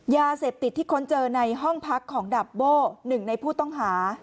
ยาเสพติดที่ค้นเจอในห้องพักของดับโบ้หนึ่งในผู้ต้องหา